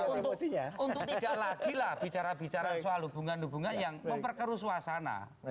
untuk tidak lagi lah bicara bicara soal hubungan hubungan yang memperkeru suasana